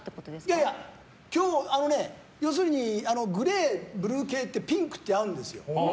いやいや、あのね、要するにグレー、ブルー系ってピンクって合うんですよ。